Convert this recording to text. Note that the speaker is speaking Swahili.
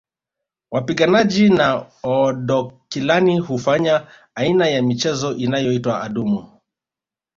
Wapiganaji wa Oodokilani hufanya aina ya michezo inayoitwa adumu